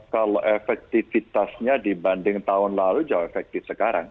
kalau efektivitasnya dibanding tahun lalu jauh efektif sekarang